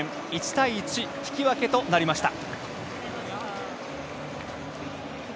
１対１引き分けとなりました。